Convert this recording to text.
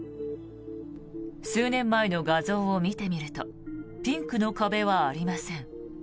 数年前の画像を見てみるとピンクの壁はありません。